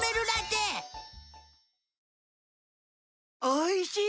おいしい！